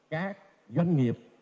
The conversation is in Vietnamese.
các doanh nghiệp